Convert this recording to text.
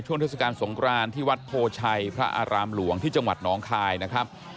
เทศกาลสงครานที่วัดโพชัยพระอารามหลวงที่จังหวัดน้องคายนะครับ